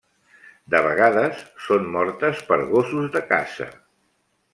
De vegades, són mortes per gossos de caça.